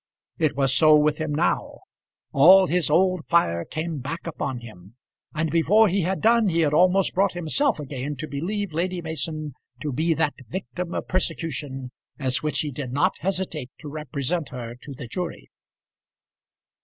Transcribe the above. It was so with him now. All his old fire came back upon him, and before he had done he had almost brought himself again to believe Lady Mason to be that victim of persecution as which he did not hesitate to represent her to the jury.